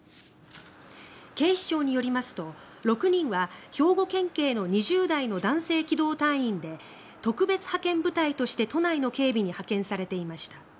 警視庁によりますと６人は兵庫県警の２０代の男性機動隊員で特別派遣部隊として都内の警備に派遣されていました。